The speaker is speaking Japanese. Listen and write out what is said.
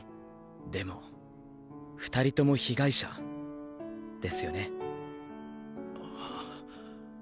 でも２人とも被害者ですよね？